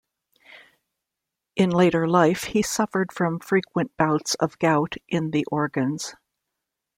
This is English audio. In later life he suffered from frequent bouts of gout in the organs.